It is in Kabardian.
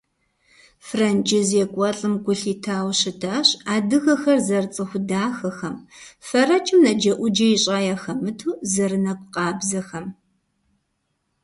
Франджы зекӏуэлӏым гу лъитауэ щытащ адыгэхэр зэрыцӏыху дахэхэм, фэрэкӏым наджэӏуджэ ищӏа яхэмыту зэрынэкӏу къабзэхэм.